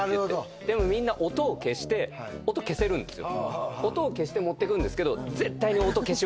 でもみんな音を消して音消せるんですよ。